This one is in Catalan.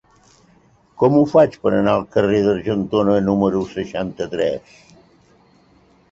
Com ho faig per anar al carrer d'Argentona número seixanta-tres?